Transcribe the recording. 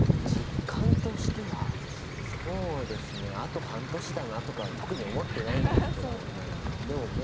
実感としては、そうですね、あと半年だなとかは特に思ってないんですけれども。